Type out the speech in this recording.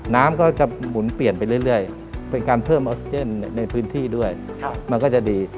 น้ำก็จะหมุนเปลี่ยนไปเรื่อยเป็นการเพิ่มออกซิเจนในพื้นที่ด้วยมันก็จะดี